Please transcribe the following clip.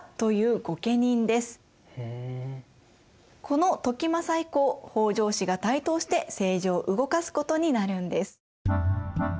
この時政以降北条氏が台頭して政治を動かすことになるんです。